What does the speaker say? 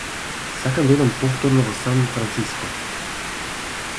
Сакам да одам повторно во Сан Франциско.